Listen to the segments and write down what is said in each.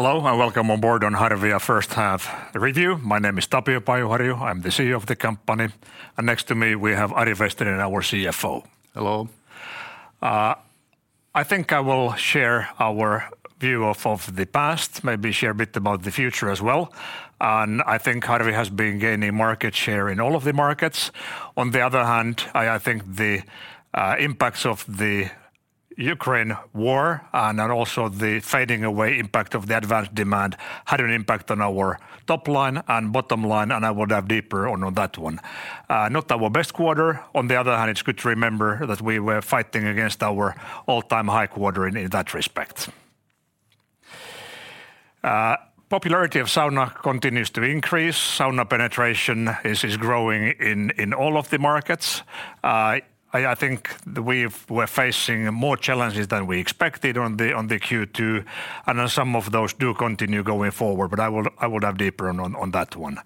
Hello, welcome on board to Harvia's first half review. My name is Tapio Pajuharju. I'm the CEO of the company, and next to me we have Ari Vesterinen, our CFO. Hello. I think I will share our view of the past, maybe share a bit about the future as well, and I think Harvia has been gaining market share in all of the markets. On the other hand, I think the impacts of the Ukraine war and then also the fading away impact of the advanced demand had an impact on our top line and bottom line, and I will dive deeper on that one. Not our best quarter. On the other hand, it's good to remember that we were fighting against our all-time high quarter in that respect. Popularity of sauna continues to increase. Sauna penetration is growing in all of the markets. I think we're facing more challenges than we expected on the Q2, and then some of those do continue going forward, but I will dive deeper on that one.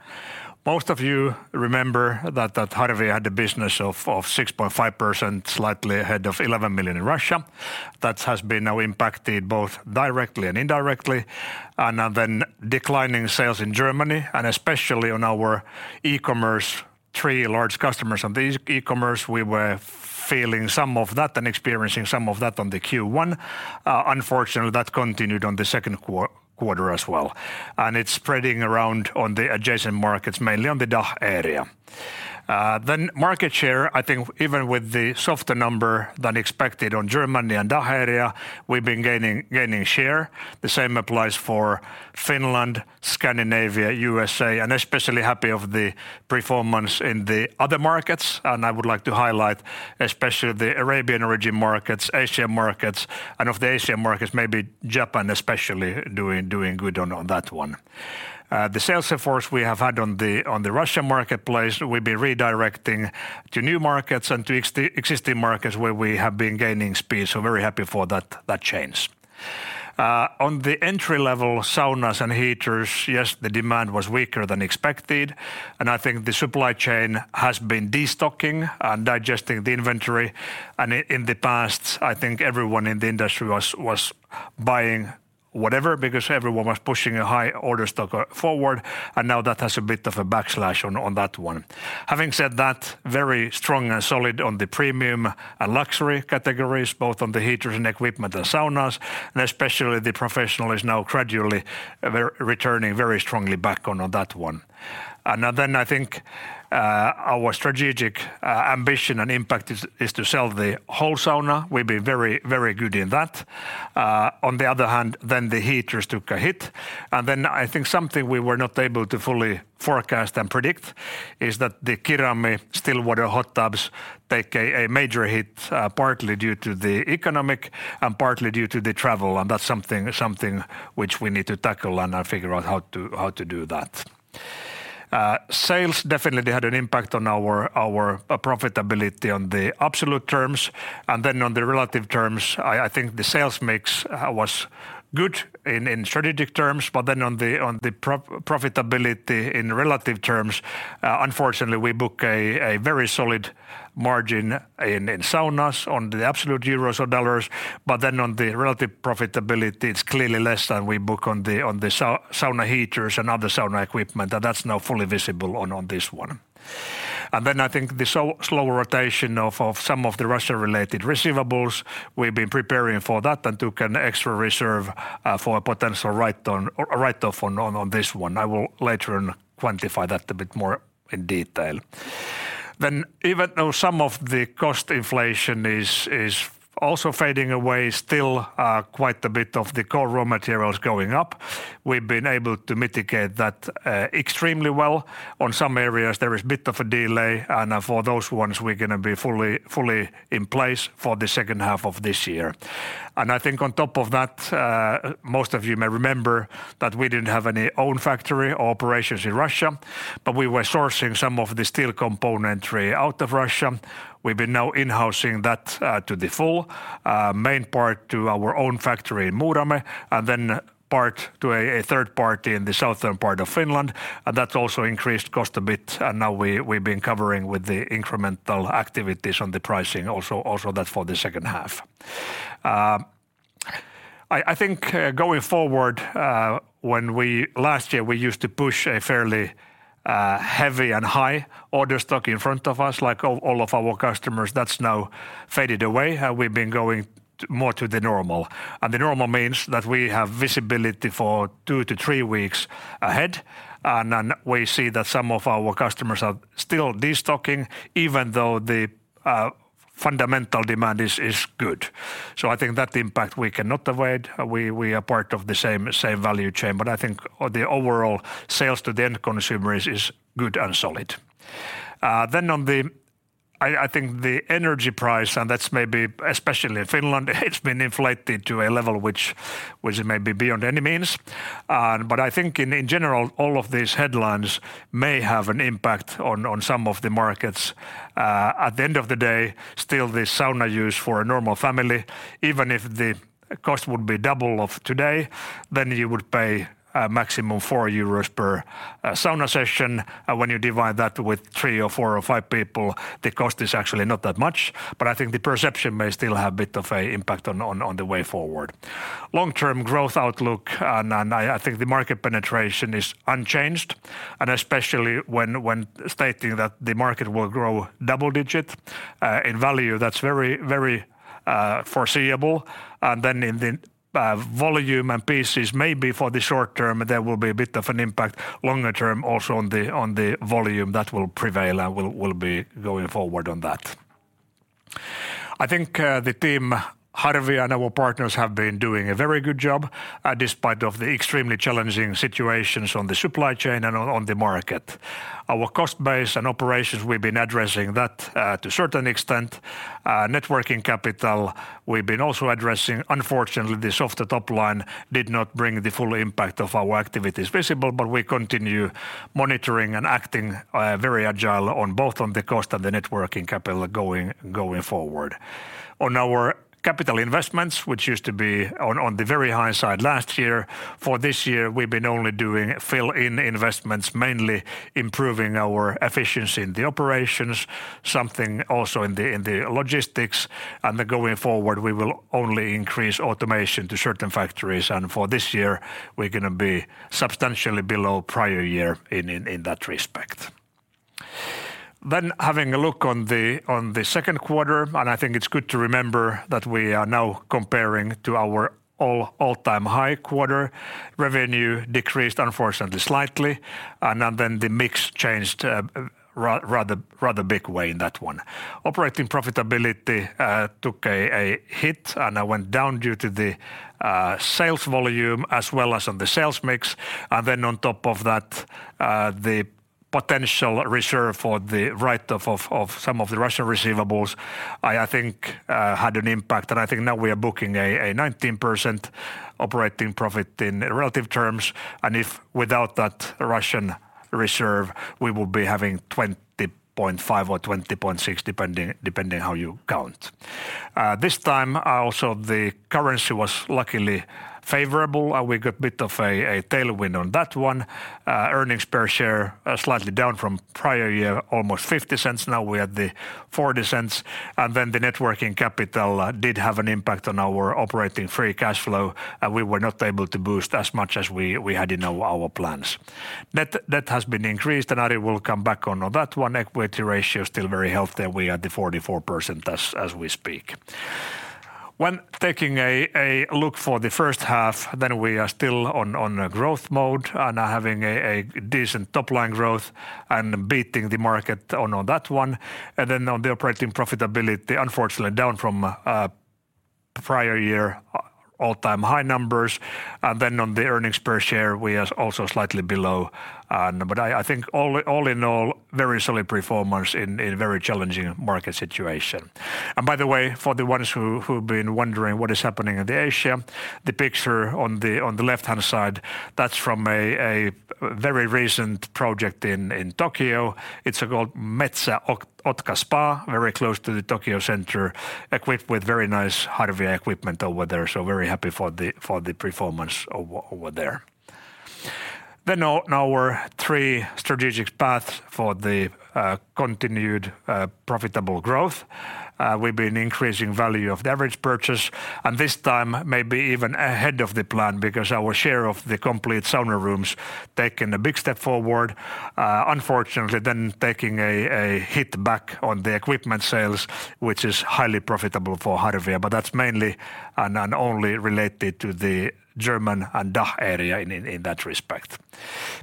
Most of you remember that Harvia had a business of 6.5%, slightly ahead of 11 million in Russia. That has been now impacted both directly and indirectly, and then declining sales in Germany and especially on our e-commerce. Three large customers on the e-commerce, we were feeling some of that and experiencing some of that on the Q1. Unfortunately that continued on the second quarter as well, and it's spreading around on the adjacent markets, mainly on the DACH area. Market share, I think even with the softer number than expected on Germany and DACH area, we've been gaining share. The same applies for Finland, Scandinavia, USA, and especially happy about the performance in the other markets. I would like to highlight especially the Arabian region markets, Asia markets, and of the Asia markets, maybe Japan especially doing good on that one. The sales force we have had on the Russia marketplace, we've been redirecting to new markets and to existing markets where we have been gaining speed, so very happy for that change. On the entry-level saunas and heaters, yes, the demand was weaker than expected, and I think the supply chain has been destocking and digesting the inventory. In the past, I think everyone in the industry was buying whatever because everyone was pushing a high order stock forward, and now that has a bit of a backlash on that one. Having said that, very strong and solid on the premium and luxury categories, both on the heaters and equipment and saunas, and especially the professional is now gradually returning very strongly back on that one. I think our strategic ambition and impact is to sell the whole sauna. We've been very good in that. On the other hand the heaters took a hit. I think something we were not able to fully forecast and predict is that the Kirami still water hot tubs take a major hit, partly due to the economic and partly due to the travel, and that's something which we need to tackle and figure out how to do that. Sales definitely had an impact on our profitability on the absolute terms. On the relative terms I think the sales mix was good in strategic terms. On the profitability in relative terms, unfortunately we book a very solid margin in saunas on the absolute euros or dollars. On the relative profitability it's clearly less than we book on the sauna heaters and other sauna equipment, and that's now fully visible on this one. I think the slower rotation of some of the Russia-related receivables, we've been preparing for that and took an extra reserve for a potential write-down or a write-off on this one. I will later on quantify that a bit more in detail. Even though some of the cost inflation is also fading away, still, quite a bit of the core raw materials going up. We've been able to mitigate that, extremely well. On some areas there is a bit of a delay, and, for those ones we're gonna be fully in place for the second half of this year. I think on top of that, most of you may remember that we didn't have any own factory operations in Russia, but we were sourcing some of the steel componentry out of Russia. We've been now in-housing that, to the full main part to our own factory in Muurame and then part to a third party in the southern part of Finland. That's also increased cost a bit, and now we've been covering with the incremental activities on the pricing also, that's for the second half. I think going forward, last year, we used to push a fairly heavy and high order stock in front of us, like all of our customers. That's now faded away, and we've been going more to the normal. The normal means that we have visibility for two-three weeks ahead, and then we see that some of our customers are still destocking even though the fundamental demand is good. I think that impact we cannot avoid. We are part of the same value chain, but I think the overall sales to the end consumer is good and solid. I think the energy price, and that's maybe especially in Finland, it's been inflated to a level which may be beyond any means. But I think in general, all of these headlines may have an impact on some of the markets. At the end of the day, still the sauna use for a normal family, even if the cost would be double of today, then you would pay a maximum of 4 euros per Sauna Session. When you divide that with three or four or five people, the cost is actually not that much. But I think the perception may still have a bit of an impact on the way forward. Long-term growth outlook, and I think the market penetration is unchanged, and especially when stating that the market will grow double digit in value, that's very foreseeable. Then in the volume and pieces, maybe for the short term, there will be a bit of an impact longer term also on the volume that will prevail and we'll be going forward on that. I think the Harvia team and our partners have been doing a very good job despite the extremely challenging situations on the supply chain and on the market. Our cost base and operations, we've been addressing that to a certain extent. Net working capital, we've been also addressing. Unfortunately, the softer top line did not bring the full impact of our activities visible, but we continue monitoring and acting very agile on both the cost and the net working capital going forward. On our capital investments, which used to be on the very high side last year, for this year, we've been only doing fill-in investments, mainly improving our efficiency in the operations, something also in the logistics. Going forward, we will only increase automation to certain factories. For this year, we're gonna be substantially below prior year in that respect. Having a look on the second quarter, I think it's good to remember that we are now comparing to our all-time high quarter. Revenue decreased unfortunately slightly, and then the mix changed a rather big way in that one. Operating profitability took a hit and went down due to the sales volume as well as on the sales mix. On top of that, the potential reserve for the write-off of some of the Russian receivables, I think, had an impact. I think now we are booking a 19% operating profit in relative terms. If without that Russian reserve, we will be having 20.5 or 20.6, depending how you count. This time also the currency was luckily favorable. We got a bit of a tailwind on that one. Earnings per share slightly down from prior year, almost 0.50. Now we're at 0.40. Then the net working capital did have an impact on our operating free cash flow. We were not able to boost as much as we had in our plans. Net debt has been increased, and Ari will come back on that one. Equity ratio is still very healthy, and we are at 44% as we speak. When taking a look for the first half, then we are still on a growth mode and are having a decent top-line growth and beating the market on that one. Then on the operating profitability, unfortunately down from prior year all-time high numbers. Then on the earnings per share, we are also slightly below. I think all in all, very solid performance in a very challenging market situation. By the way, for the ones who've been wondering what is happening in Asia, the picture on the left-hand side, that's from a very recent project in Tokyo. It's called Spa Metsä Otaka, very close to the Tokyo center, equipped with very nice Harvia equipment over there. Very happy for the performance over there. Our three strategic paths for the continued profitable growth. We've been increasing value of the average purchase, and this time maybe even ahead of the plan because our share of the complete sauna rooms taken a big step forward. Unfortunately then taking a hit back on the equipment sales, which is highly profitable for Harvia, but that's mainly and only related to the German and DACH area in that respect.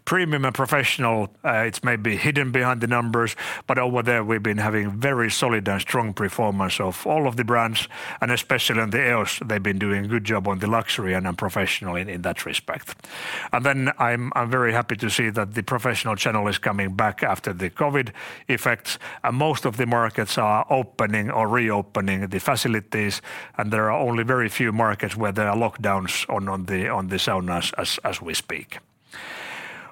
Premium and professional, it may be hidden behind the numbers, but over there we've been having very solid and strong performance of all of the brands, and especially on the EOS, they've been doing a good job on the luxury and professional in that respect. I'm very happy to see that the professional channel is coming back after the COVID effects, and most of the markets are opening or reopening the facilities, and there are only very few markets where there are lockdowns on the saunas as we speak.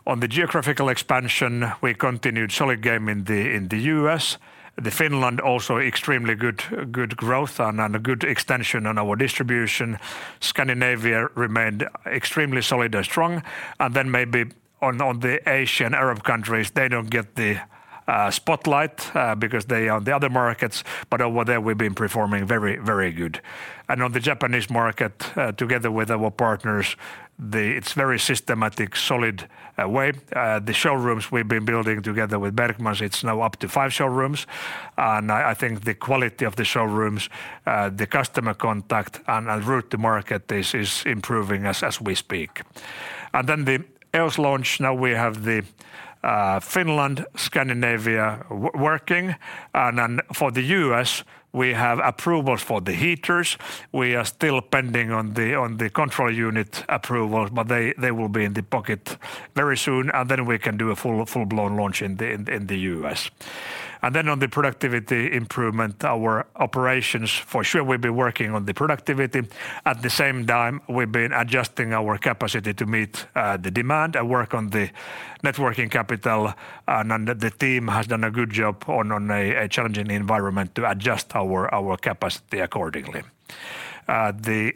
On the geographical expansion, we continued solid gain in the U.S. In Finland also extremely good growth and a good extension on our distribution. Scandinavia remained extremely solid and strong. Maybe on the Asian and Arab countries, they don't get the spotlight because they are the other markets, but over there we've been performing very good. On the Japanese market, together with our partners, it's very systematic, solid way. The showrooms we've been building together with Bergman, it's now up to five showrooms. I think the quality of the showrooms, the customer contact and route to market is improving as we speak. The EOS launch, now we have the Finnish, Scandinavian working. For the U.S., we have approvals for the heaters. We are still pending on the control unit approval, but they will be in the pocket very soon, and then we can do a full-blown launch in the U.S. On the productivity improvement, our operations, for sure we've been working on the productivity. At the same time, we've been adjusting our capacity to meet the demand and work on the net working capital, and the team has done a good job in a challenging environment to adjust our capacity accordingly. The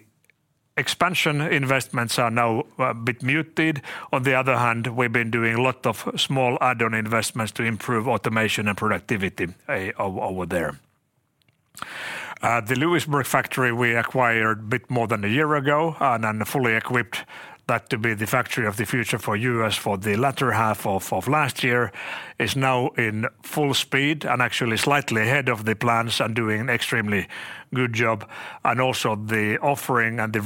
expansion investments are now a bit muted. On the other hand, we've been doing a lot of small add-on investments to improve automation and productivity over there. The Lewisburg factory we acquired a bit more than a year ago, and then fully equipped that to be the factory of the future for the U.S. for the latter half of last year, is now in full speed and actually slightly ahead of the plans and doing extremely good job. Also the offering and the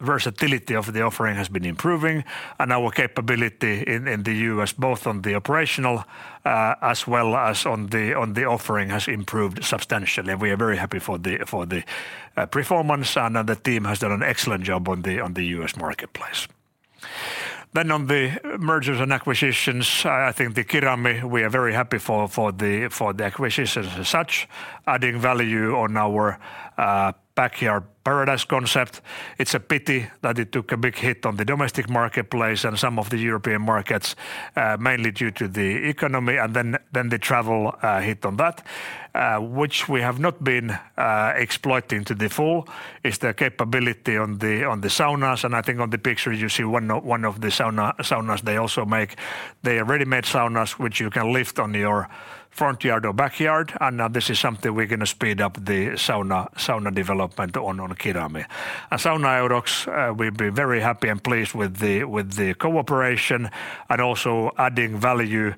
versatility of the offering has been improving. Our capability in the U.S. both on the operational as well as on the offering has improved substantially. We are very happy for the performance, and the team has done an excellent job on the U.S. Marketplace. On the mergers and acquisitions, I think the Kirami, we are very happy for the acquisitions as such, adding value on our backyard paradise concept. It's a pity that it took a big hit on the domestic marketplace and some of the European markets mainly due to the economy and then the travel hit on that, which we have not been exploiting to the full is the capability on the saunas. I think on the picture you see one of the saunas they also make. They are ready-made saunas which you can lift on your front yard or backyard, and this is something we're gonna speed up the sauna development on Kirami. Sauna-Eurox, we've been very happy and pleased with the cooperation and also adding value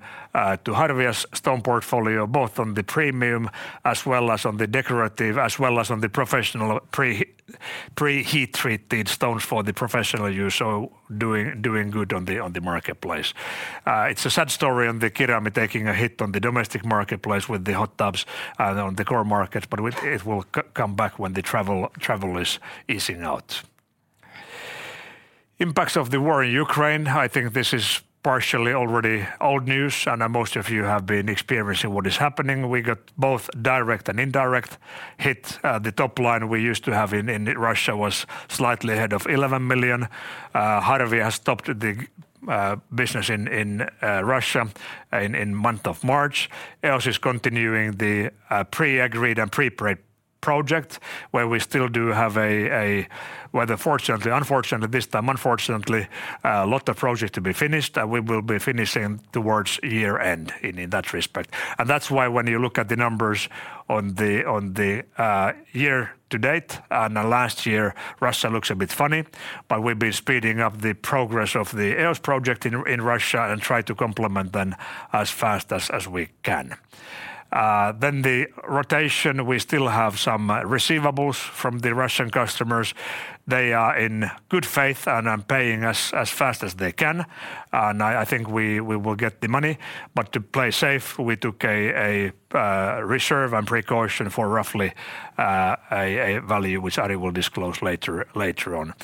to Harvia's stone portfolio both on the premium as well as on the decorative, as well as on the professional pre-heat treated stones for the professional use, so doing good on the marketplace. It's a sad story on Kirami taking a hit on the domestic marketplace with the hot tubs and on the core markets, but it will come back when the travel is easing out. Impacts of the war in Ukraine, I think this is partially already old news, and most of you have been experiencing what is happening. We got both direct and indirect hit. The top line we used to have in Russia was slightly ahead of 11 million. Harvia has stopped the business in Russia in month of March. EOS is continuing the pre-agreed and pre-prepped projects where we still do have, whether fortunately or unfortunately, this time unfortunately, a lot of projects to be finished, and we will be finishing towards year-end in that respect. That's why when you look at the numbers on the year-to-date and the last year, Russia looks a bit funny. We've been speeding up the progress of the EOS project in Russia and try to complement them as fast as we can. The situation, we still have some receivables from the Russian customers. They are in good faith and are paying as fast as they can, and I think we will get the money. To play safe, we took a reserve and precaution for roughly a value which Ari will disclose later on.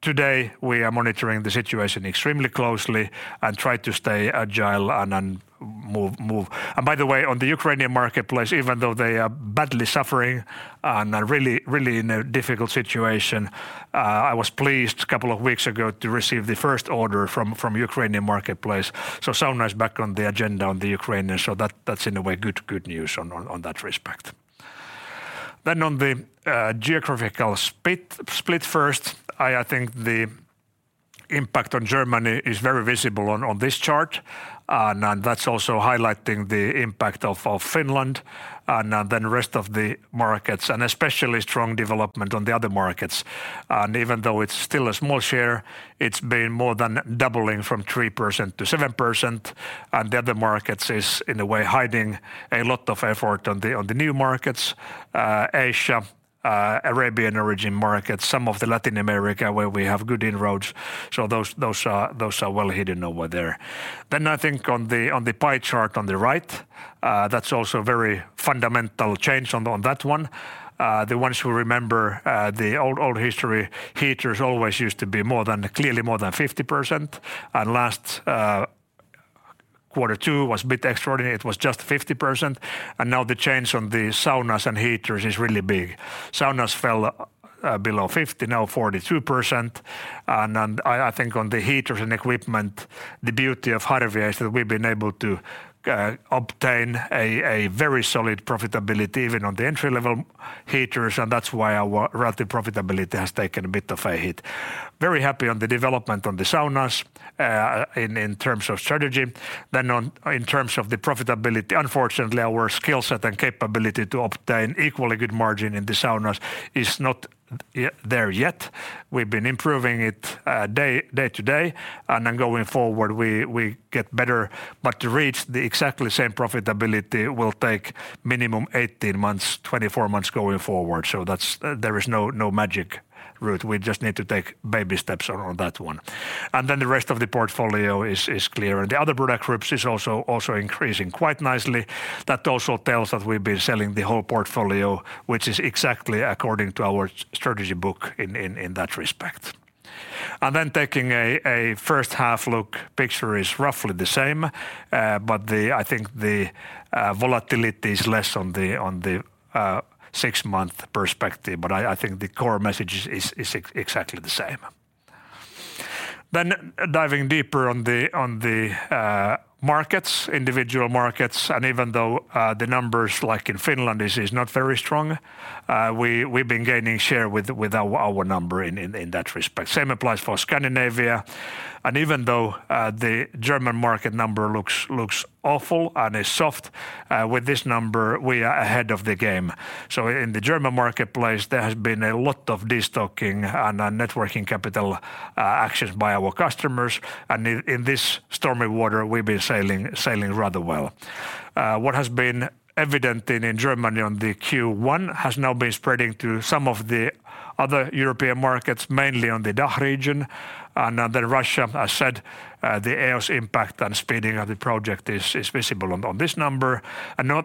Today, we are monitoring the situation extremely closely and try to stay agile and move. By the way, on the Ukrainian marketplace, even though they are badly suffering and are really in a difficult situation, I was pleased a couple of weeks ago to receive the first order from Ukrainian marketplace. Sauna is back on the agenda in Ukraine, that's in a way good news in that respect. On the geographical split first, I think the impact on Germany is very visible on this chart. That's also highlighting the impact of Finland and then rest of the markets, and especially strong development on the other markets. Even though it's still a small share, it's been more than doubling from 3% to 7%, and the other markets is, in a way, hiding a lot of effort on the new markets, Asia, Arabian origin markets, some of Latin America where we have good inroads. Those are well hidden over there. I think on the pie chart on the right, that's also very fundamental change on that one. The ones who remember the old history, heaters always used to be more than, clearly more than 50%. Last quarter two was a bit extraordinary. It was just 50%. Now the change on the saunas and heaters is really big. Saunas fell below 50%, now 42%. I think on the heaters and equipment, the beauty of Harvia is that we've been able to obtain a very solid profitability even on the entry-level heaters, and that's why our relative profitability has taken a bit of a hit. Very happy on the development on the saunas in terms of strategy. In terms of the profitability, unfortunately our skill set and capability to obtain equally good margin in the saunas is not there yet. We've been improving it day to day, and then going forward, we get better. But to reach the exactly same profitability will take minimum 18 months, 24 months going forward. So that's there is no magic route. We just need to take baby steps on that one. The rest of the portfolio is clear. The other product groups is also increasing quite nicely. That also tells that we've been selling the whole portfolio, which is exactly according to our strategy book in that respect. Taking a first half look picture is roughly the same, but I think the volatility is less on the six-month perspective. I think the core message is exactly the same. Diving deeper on the markets, individual markets. Even though the numbers like in Finland is not very strong, we've been gaining share with our number in that respect. Same applies for Scandinavia. Even though the German market number looks awful and is soft, with this number we are ahead of the game. In the German marketplace, there has been a lot of destocking and net working capital actions by our customers. In this stormy water, we've been sailing rather well. What has been evident in Germany in Q1 has now been spreading to some of the other European markets, mainly in the DACH region and then Russia, as said, the EOS impact and speeding of the project is visible on this number.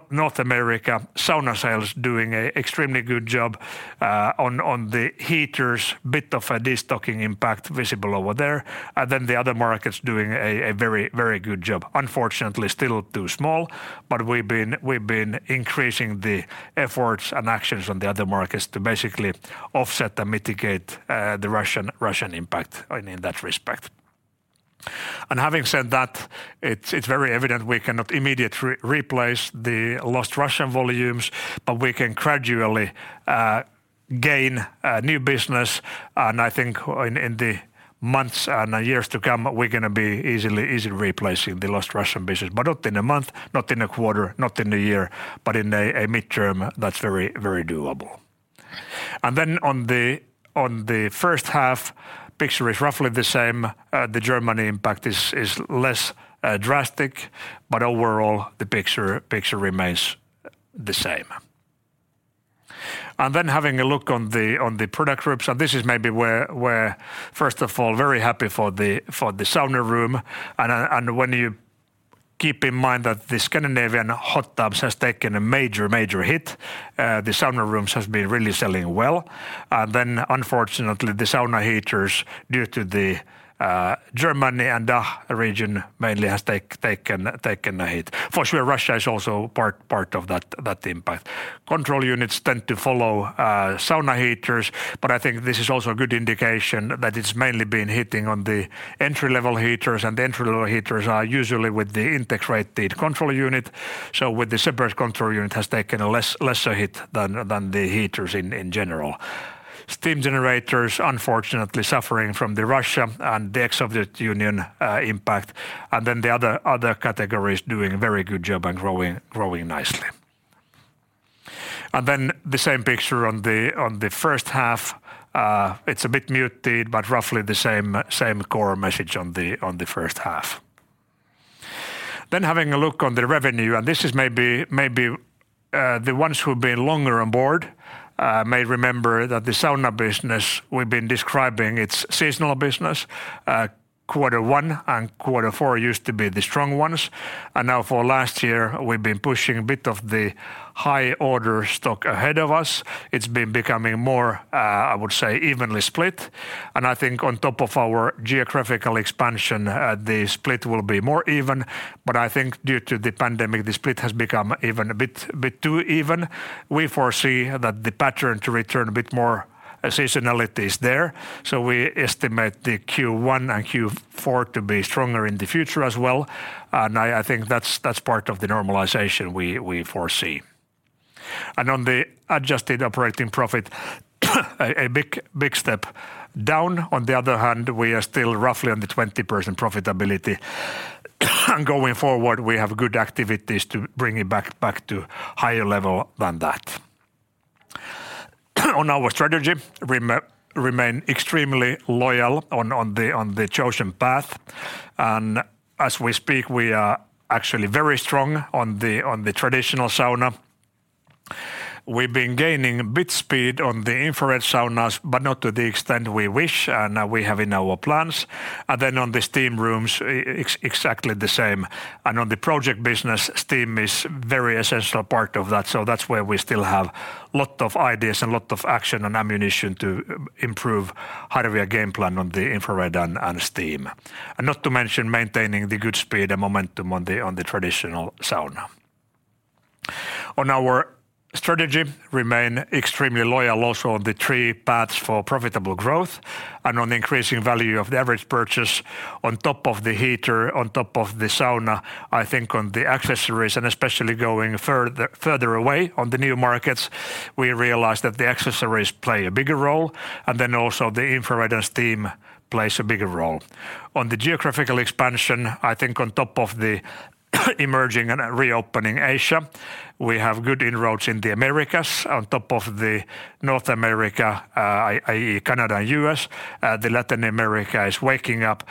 North America, sauna sales doing an extremely good job on the heaters, bit of a destocking impact visible over there. The other markets doing a very good job. Unfortunately, still too small, but we've been increasing the efforts and actions on the other markets to basically offset and mitigate the Russian impact in that respect. Having said that, it's very evident we cannot immediately replace the lost Russian volumes, but we can gradually gain new business. I think in the months and years to come, we're gonna be easily replacing the lost Russian business, but not in a month, not in a quarter, not in a year, but in a midterm that's very doable. On the first half, picture is roughly the same. The Germany impact is less drastic, but overall the picture remains the same. Having a look on the product groups, and this is maybe where first of all very happy for the sauna room. When you keep in mind that the Scandinavian hot tubs has taken a major hit, the sauna rooms has been really selling well. Then unfortunately, the sauna heaters, due to the Germany and DACH region mainly has taken a hit. For sure, Russia is also part of that impact. Control units tend to follow sauna heaters, but I think this is also a good indication that it's mainly been hitting on the entry-level heaters, and the entry-level heaters are usually with the integrated control unit. With the separate control unit has taken a lesser hit than the heaters in general. Steam generators unfortunately suffering from the Russia and the ex-Soviet Union impact. The other categories doing very good job and growing nicely. The same picture on the first half, it's a bit muted, but roughly the same core message on the first half. Having a look on the revenue, this is maybe the ones who've been longer on board may remember that the sauna business we've been describing, it's seasonal business. Quarter one and quarter four used to be the strong ones. Now for last year, we've been pushing a bit of the high order stock ahead of us. It's been becoming more, I would say, evenly split. I think on top of our geographical expansion, the split will be more even. I think due to the pandemic, the split has become even a bit too even. We foresee that the pattern to return a bit more seasonality is there. We estimate the Q1 and Q4 to be stronger in the future as well. I think that's part of the normalization we foresee. On the adjusted operating profit, a big step down. On the other hand, we are still roughly on the 20% profitability. Going forward, we have good activities to bring it back to higher level than that. On our strategy, we remain extremely loyal on the chosen path. As we speak, we are actually very strong on the traditional sauna. We've been gaining a bit speed on the infrared saunas, but not to the extent we wish and we have in our plans. On the steam rooms exactly the same. On the project business, steam is very essential part of that. That's where we still have lot of ideas and lot of action and ammunition to improve Harvia game plan on the infrared and steam. Not to mention maintaining the good speed and momentum on the traditional sauna. Our strategy remains extremely loyal also on the three paths for profitable growth and on increasing value of the average purchase on top of the heater, on top of the sauna. I think on the accessories, and especially going further away on the new markets, we realize that the accessories play a bigger role, and then also the infrared and steam plays a bigger role. On the geographical expansion, I think on top of the emerging and reopening Asia, we have good inroads in the Americas. On top of North America, i.e. Canada and U.S., the Latin America is waking up.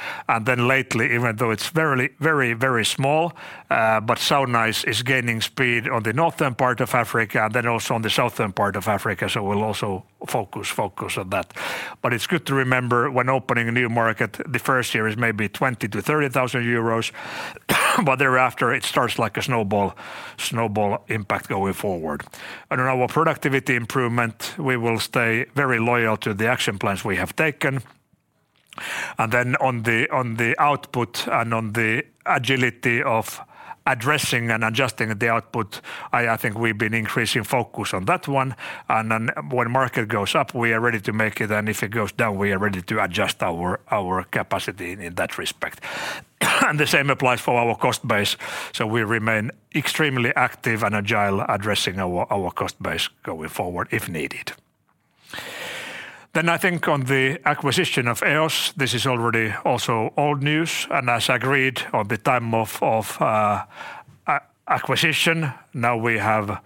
Lately, even though it's very, very small, but saunas is gaining speed on the northern part of Africa, then also on the southern part of Africa, so we'll also focus on that. It's good to remember when opening a new market, the first year is maybe 20,000-30,000 euros, but thereafter it starts like a snowball impact going forward. On our productivity improvement, we will stay very loyal to the action plans we have taken. On the output and on the agility of addressing and adjusting the output, I think we've been increasing focus on that one. When market goes up, we are ready to make it, and if it goes down, we are ready to adjust our capacity in that respect. The same applies for our cost base, so we remain extremely active and agile addressing our cost base going forward if needed. I think on the acquisition of EOS, this is already also old news, and as agreed on the time of acquisition, now we have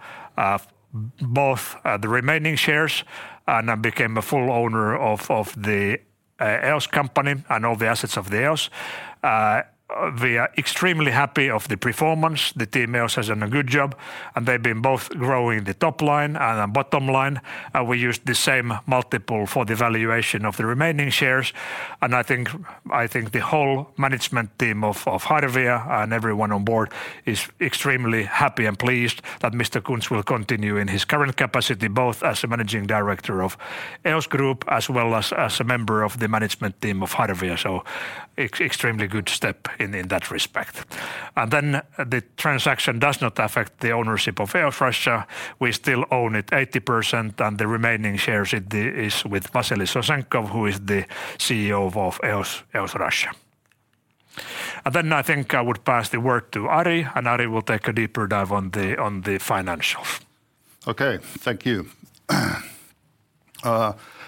both the remaining shares and have become a full owner of the EOS company and all the assets of the EOS. We are extremely happy with the performance. The EOS team has done a good job, and they've been both growing the top line and the bottom line. We used the same multiple for the valuation of the remaining shares. I think the whole management team of Harvia and everyone on board is extremely happy and pleased that Mr. Kunz will continue in his current capacity, both as a managing director of EOS Group as well as a member of the management team of Harvia, so extremely good step in that respect. The transaction does not affect the ownership of EOS Russia. We still own it 80%, and the remaining shares it is with Vasily Sosenkov, who is the CEO of EOS Russia. I think I would pass the word to Ari, and Ari will take a deeper dive on the financials. Okay. Thank you.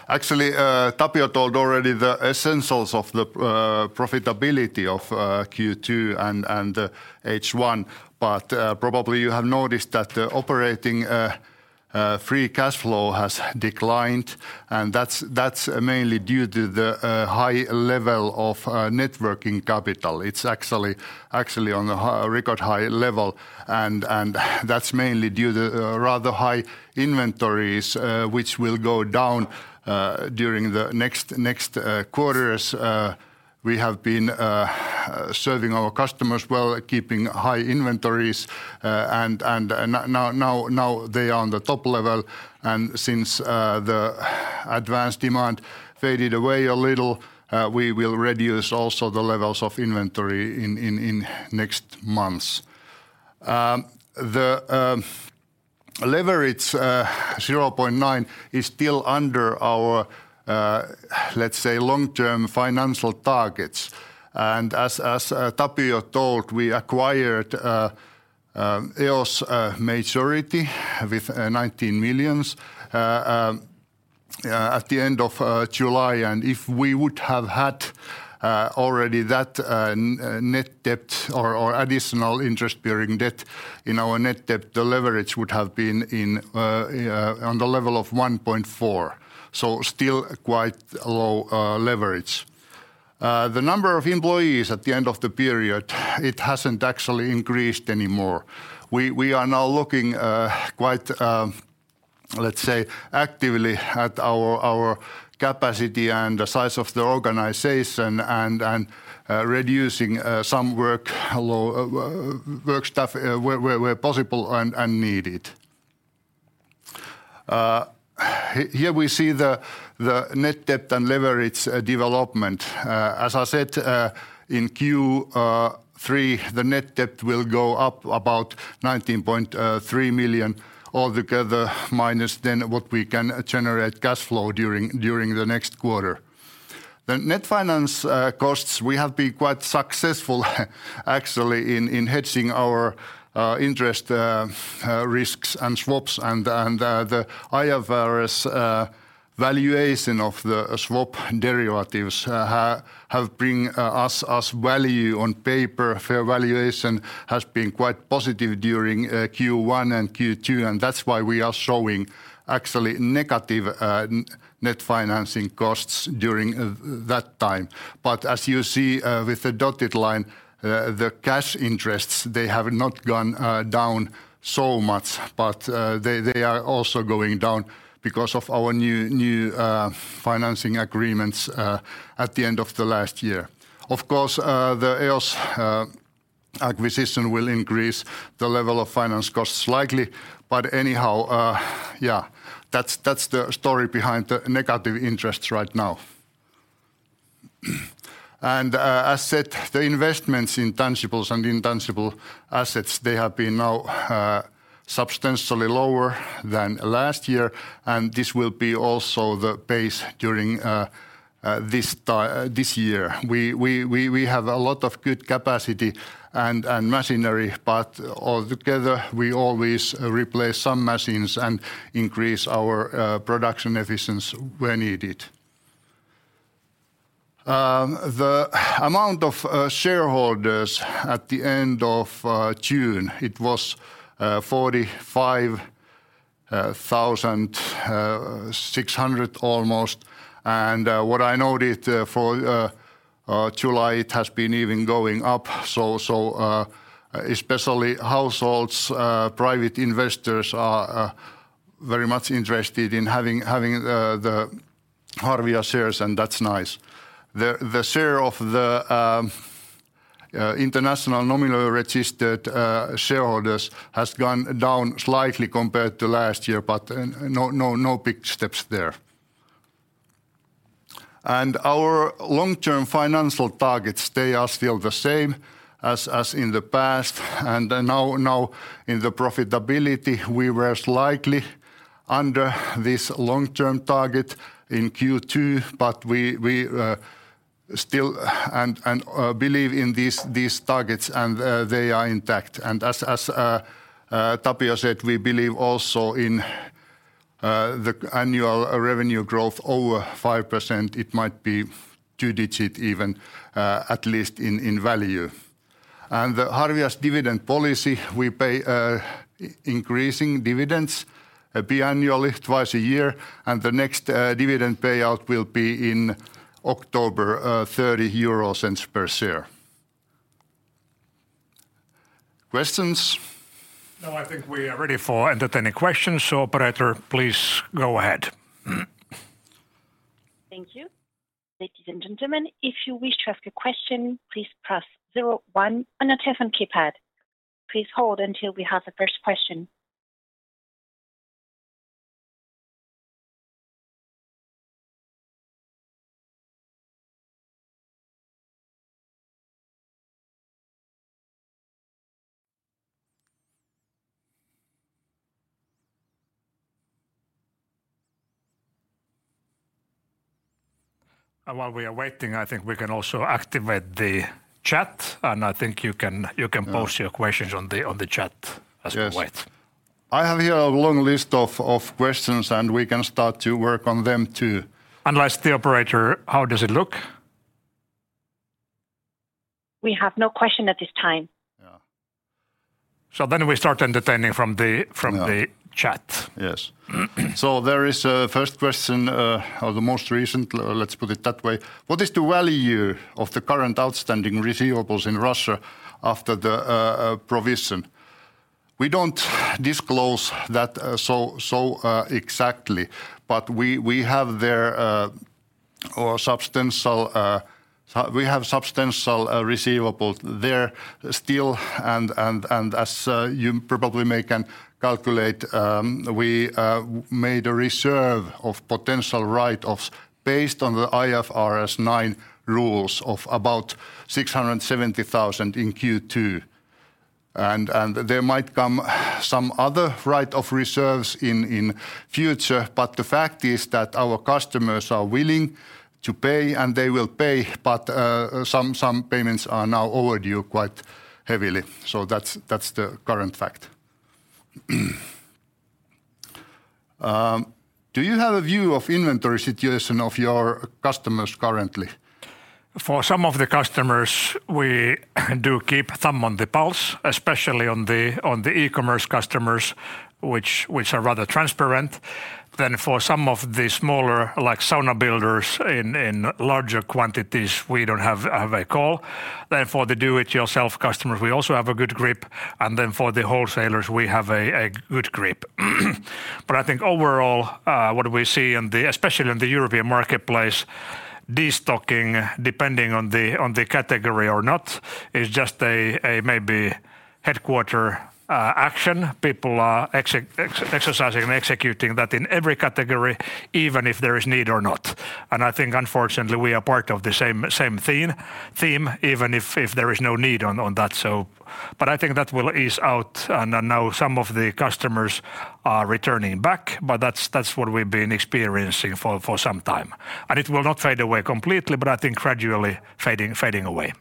Actually, Tapio told already the essentials of the profitability of Q2 and H1. Probably you have noticed that the operating free cash flow has declined, and that's mainly due to the high level of net working capital. It's actually on a record high level, and that's mainly due to rather high inventories, which will go down during the next quarters. We have been serving our customers well, keeping high inventories, and now they are on the top level. Since the advanced demand faded away a little, we will reduce also the levels of inventory in next months. The leverage 0.9 is still under our, let's say, long-term financial targets. As Tapio told, we acquired EOS majority with 19 million at the end of July. If we would have had already that net debt or additional interest-bearing debt in our net debt, the leverage would have been on the level of 1.4, so still quite low leverage. The number of employees at the end of the period, it hasn't actually increased anymore. We are now looking quite, let's say, actively at our capacity and the size of the organization and reducing some work staff where possible and needed. Here we see the net debt and leverage development. As I said, in Q3, the net debt will go up about 19.3 million altogether, minus then what we can generate cash flow during the next quarter. The net financing costs, we have been quite successful actually in hedging our interest risks and swaps. The IFRS valuation of the swap derivatives has brought us value on paper. Fair valuation has been quite positive during Q1 and Q2, and that's why we are showing actually negative net financing costs during that time. As you see, with the dotted line, the cash interest, they have not gone down so much. They are also going down because of our new financing agreements at the end of the last year. Of course, the EOS acquisition will increase the level of finance costs slightly. Anyhow, that's the story behind the negative interests right now. As said, the investments in tangible and intangible assets, they have been now substantially lower than last year, and this will be also the pace during this year. We have a lot of good capacity and machinery, but altogether, we always replace some machines and increase our production efficiency where needed. The amount of shareholders at the end of June, it was 45,600 almost. What I noted for July, it has been even going up. Especially households, private investors are very much interested in having the Harvia shares, and that's nice. The share of the international nominal registered shareholders has gone down slightly compared to last year, but no big steps there. Our long-term financial targets, they are still the same as in the past. Now in the profitability, we were slightly under this long-term target in Q2, but we still believe in these targets, and they are intact. As Tapio said, we believe also in the annual revenue growth over 5%, it might be two-digit even, at least in value. Harvia's dividend policy, we pay increasing dividends biannually, twice a year, and the next dividend payout will be in October, 0.30 per share. Questions? No, I think we are ready for entertaining questions. Operator, please go ahead. Thank you. Ladies and gentlemen, if you wish to ask a question, please press zero-one on the telephone keypad. Please hold until we have the first question. While we are waiting, I think we can also activate the chat, and I think you can. Yeah Post your questions on the chat. Yes We wait. I have here a long list of questions, and we can start to work on them too. Unless the operator, how does it look? We have no question at this time. Yeah. We start entertaining from the Yeah chat. Yes. There is a first question, or the most recent, let's put it that way. What is the value of the current outstanding receivables in Russia after the provision? We don't disclose that exactly, but we have substantial receivables there still and as you probably may can calculate, we made a reserve of potential write-offs based on the IFRS 9 rules of about 670 thousand in Q2. There might come some other write-off reserves in future, but the fact is that our customers are willing to pay, and they will pay, but some payments are now overdue quite heavily. That's the current fact. Do you have a view of inventory situation of your customers currently? For some of the customers, we do keep thumb on the pulse, especially on the e-commerce customers which are rather transparent. For some of the smaller, like sauna builders in larger quantities, we don't have a call. For the do-it-yourself customers, we also have a good grip. For the wholesalers, we have a good grip. I think overall, what we see in the especially in the European marketplace, destocking, depending on the category or not, is just a maybe headquarters action. People are exercising and executing that in every category, even if there is need or not. I think unfortunately, we are part of the same theme even if there is no need on that. I think that will ease out, and now some of the customers are returning back, but that's what we've been experiencing for some time. It will not fade away completely, but I think gradually fading away.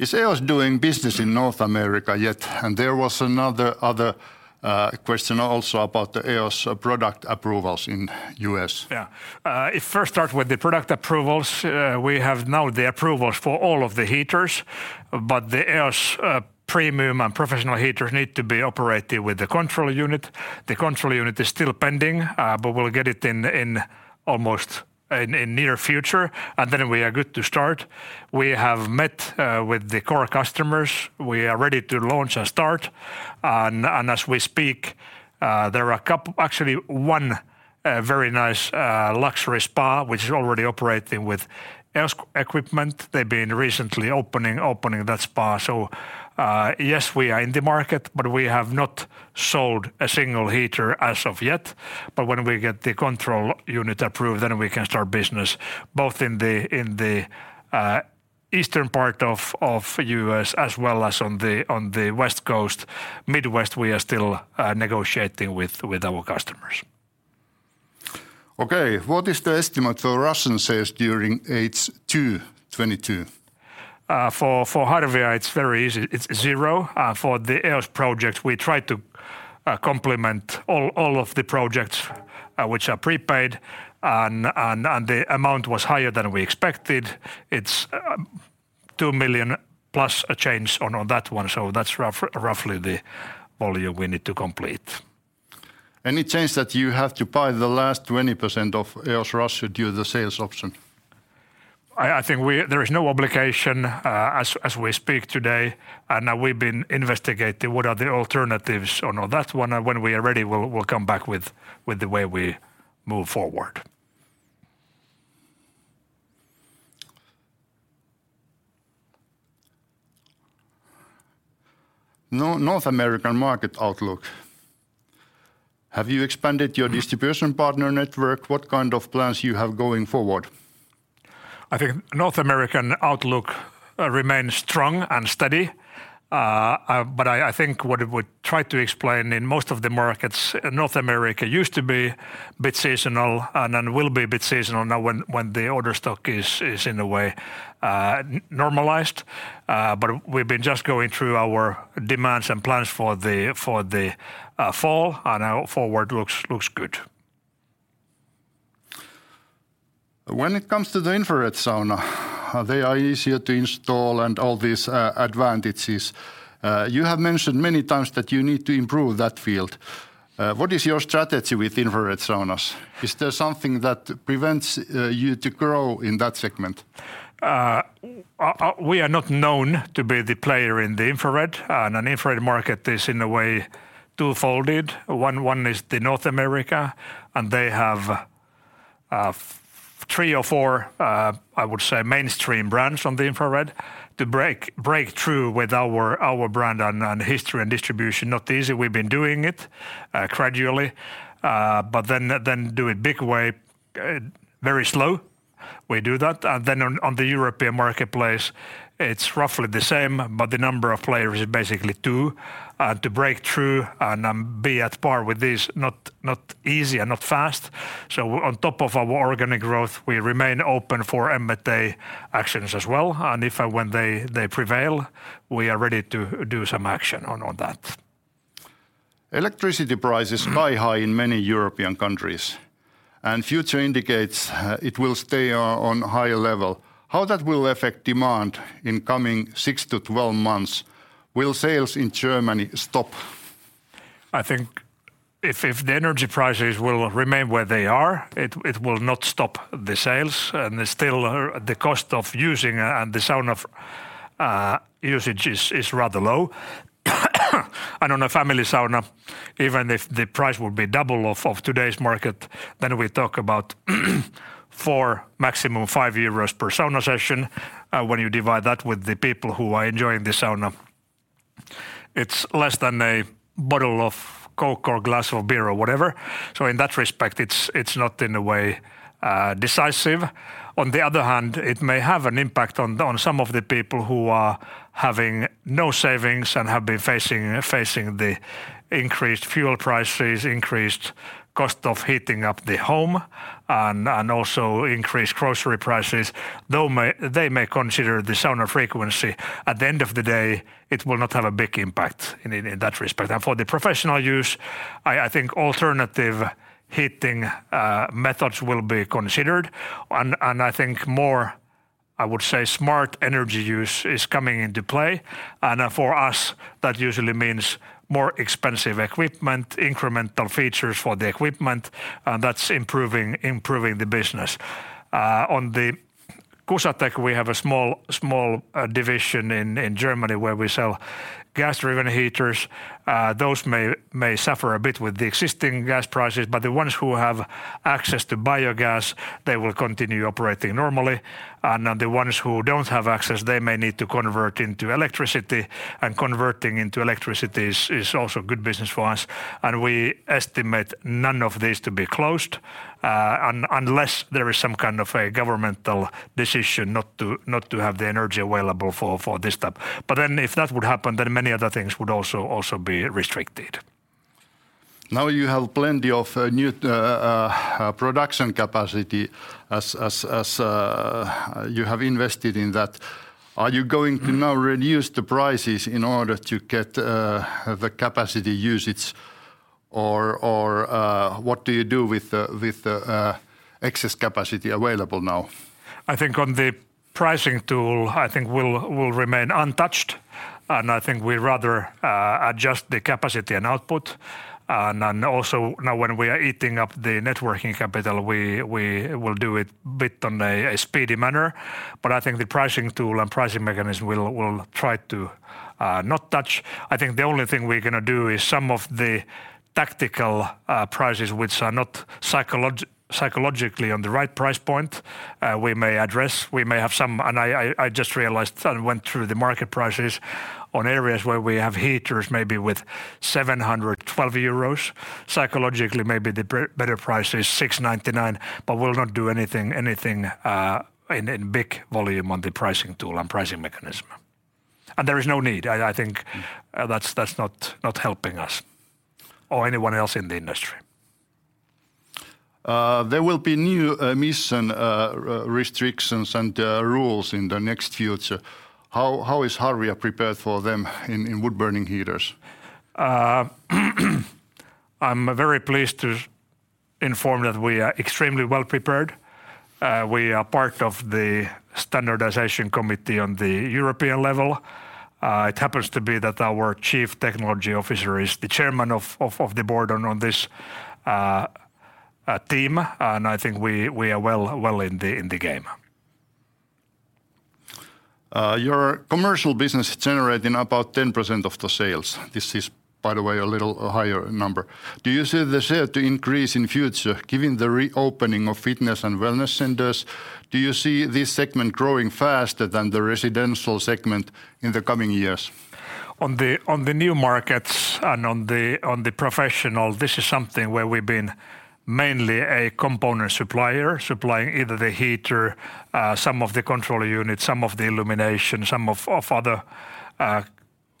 Is EOS doing business in North America yet? There was another question also about the EOS product approvals in the U.S. Yeah. It first start with the product approvals. We have now the approvals for all of the heaters, but the EOS premium and professional heaters need to be operated with the control unit. The control unit is still pending, but we'll get it in the near future, and then we are good to start. We have met with the core customers. We are ready to launch and start. And as we speak, there are actually one very nice luxury spa which is already operating with EOS equipment. They've been recently opening that spa. Yes, we are in the market, but we have not sold a single heater as of yet. When we get the control unit approved, then we can start business both in the eastern part of the U.S. as well as on the West Coast. Midwest, we are still negotiating with our customers. Okay. What is the estimate for Russian sales during H2 2022? For Harvia, it's very easy. It's zero. For the EOS project, we try to complete all of the projects which are prepaid and the amount was higher than we expected. It's 2 million plus a change on that one. That's roughly the volume we need to complete. Any chance that you have to buy the last 20% of EOS Russia due to the sales option? I think there is no obligation, as we speak today, and we've been investigating what are the alternatives on that one. When we are ready, we'll come back with the way we move forward. North American market outlook. Have you expanded your distribution partner network? What kind of plans you have going forward? I think North American outlook remain strong and steady. I think what it would try to explain in most of the markets, North America used to be a bit seasonal and will be a bit seasonal now when the order stock is in a way normalized. We've been just going through our demands and plans for the fall, and our forward looks good. When it comes to the infrared sauna, they are easier to install and all these advantages. You have mentioned many times that you need to improve that field. What is your strategy with infrared saunas? Is there something that prevents you to grow in that segment? We are not known to be the player in the infrared, and an infrared market is, in a way, two-fold. One is North America, and they have three or four, I would say, mainstream brands on the infrared. To break through with our brand and history and distribution, not easy. We've been doing it gradually. Do it big way, very slow. We do that. On the European Marketplace, it's roughly the same, but the number of players is basically two. To break through and be at par with this, not easy and not fast. On top of our organic growth, we remain open for M&A actions as well. If and when they prevail, we are ready to do some action on that. Electricity prices sky-high in many European countries, and future indicates it will stay on high level. How that will affect demand in coming 6-12 months? Will sales in Germany stop? I think if the energy prices will remain where they are, it will not stop the sales, and still the cost of using the sauna is rather low. On a family sauna, even if the price would be double of today's market, then we talk about 4, maximum 5 euros per sauna session. When you divide that with the people who are enjoying the sauna, it's less than a bottle of Coke or glass of beer or whatever. In that respect, it's not, in a way, decisive. On the other hand, it may have an impact on some of the people who are having no savings and have been facing the increased fuel prices, increased cost of heating up the home and also increased grocery prices. They may consider the sauna frequency. At the end of the day, it will not have a big impact in that respect. For the professional use, I think alternative heating methods will be considered. I think more, I would say, smart energy use is coming into play. For us, that usually means more expensive equipment, incremental features for the equipment, and that's improving the business. On the KUSATEK, we have a small division in Germany where we sell gas heaters. Those may suffer a bit with the existing gas prices. The ones who have access to biogas, they will continue operating normally. The ones who don't have access, they may need to convert into electricity, and converting into electricity is also good business for us. We estimate none of these to be closed unless there is some kind of a governmental decision not to have the energy available for this type. If that would happen, then many other things would also be restricted. Now you have plenty of new production capacity as you have invested in that. Are you going to now reduce the prices in order to get the capacity usage? Or what do you do with the excess capacity available now? I think on the pricing tool, I think will remain untouched. I think we rather adjust the capacity and output. Then also now when we are eating up the net working capital, we will do it a bit in a speedy manner. I think the pricing tool and pricing mechanism, we'll try to not touch. I think the only thing we're gonna do is some of the tactical prices which are not psychologically on the right price point, we may address. We may have some. I just realized that I went through the market prices on areas where we have heaters maybe with 712 euros. Psychologically, maybe the better price is 699, but we'll not do anything in big volume on the pricing tool and pricing mechanism. There is no need. I think that's not helping us or anyone else in the industry. There will be new emissions restrictions and rules in the near future. How is Harvia prepared for them in wood burning heaters? I'm very pleased to inform that we are extremely well prepared. We are part of the standardization committee on the European level. It happens to be that our chief technology officer is the chairman of the board on this team, and I think we are well in the game. Your commercial business is generating about 10% of the sales. This is, by the way, a little higher number. Do you see the share to increase in future given the reopening of fitness and wellness centers? Do you see this segment growing faster than the residential segment in the coming years? On the new markets and on the professional, this is something where we've been mainly a component supplier supplying either the heater, some of the control units, some of the illumination, some of other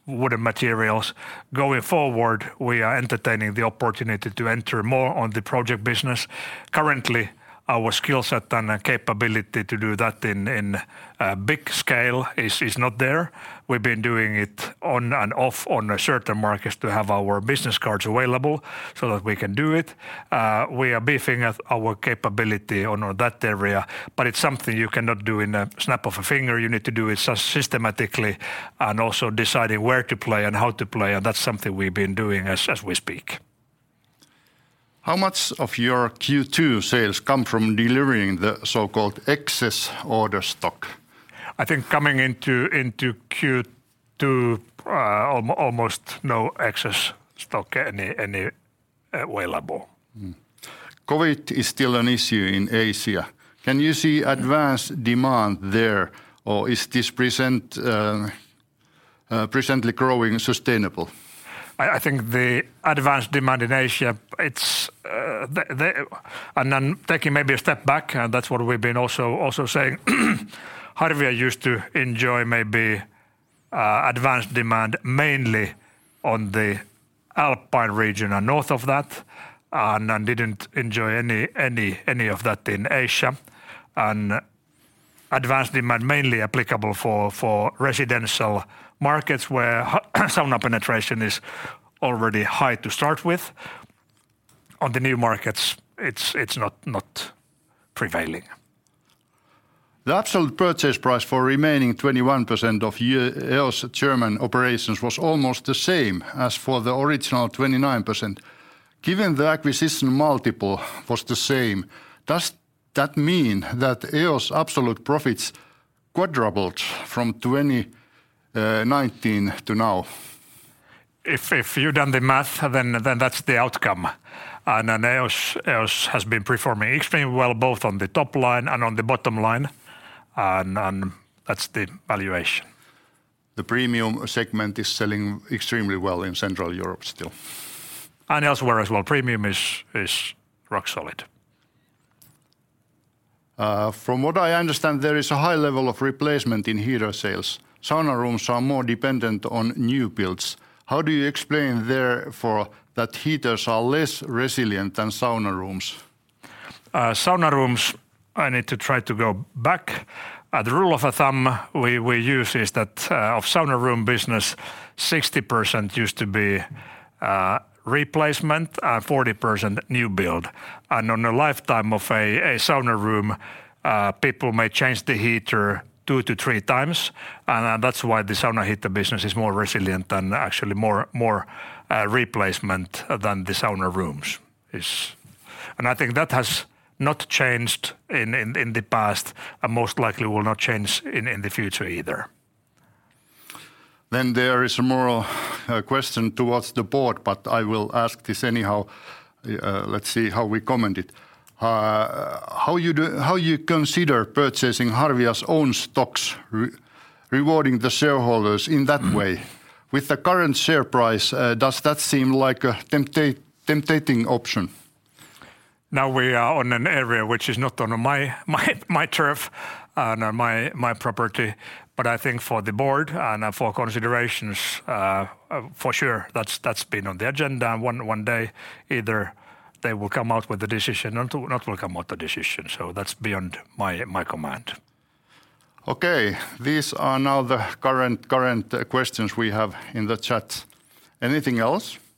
wooden materials. Going forward, we are entertaining the opportunity to enter more on the project business. Currently, our skill set and capability to do that in a big scale is not there. We've been doing it on and off on certain markets to have our business cards available so that we can do it. We are beefing up our capability on that area, but it's something you cannot do in a snap of a finger. You need to do it systematically and also deciding where to play and how to play, and that's something we've been doing as we speak. How much of your Q2 sales come from delivering the so-called excess order stock? I think coming into Q2 almost no excess stock any available. COVID is still an issue in Asia. Can you see advanced demand there, or is this presently growing sustainable? I think the advanced demand in Asia, it's, and then taking maybe a step back, and that's what we've been also saying. Harvia used to enjoy maybe advanced demand mainly on the Alpine region and north of that and didn't enjoy any of that in Asia. Advanced demand mainly applicable for residential markets where sauna penetration is already high to start with. On the new markets, it's not prevailing. The absolute purchase price for remaining 21% of EOS German operations was almost the same as for the original 29%. Given the acquisition multiple was the same, does that mean that EOS absolute profits quadrupled from 2019 to now? If you've done the math, then that's the outcome. Then EOS has been performing extremely well both on the top line and on the bottom line, and that's the valuation. The premium segment is selling extremely well in Central Europe still. Elsewhere as well, premium is rock solid. From what I understand, there is a high level of replacement in heater sales. Sauna rooms are more dependent on new builds. How do you explain therefore that heaters are less resilient than sauna rooms? Sauna rooms, I need to try to go back. The rule of thumb we use is that of sauna room business, 60% used to be replacement and 40% new build. On a lifetime of a sauna room, people may change the heater 2-3 times, and that's why the sauna heater business is more resilient than actually more replacement than the sauna rooms is. I think that has not changed in the past and most likely will not change in the future either. There is more question towards the board, but I will ask this anyhow. Let's see how we comment it. How you consider purchasing Harvia's own stocks rewarding the shareholders in that way? With the current share price, does that seem like a tempting option? Now we are on an area which is not on my turf or my property. I think for the board and for considerations, for sure that's been on the agenda. One day either they will come out with a decision or they will not come out with a decision. That's beyond my command. Okay. These are now the current questions we have in the chat. Anything else?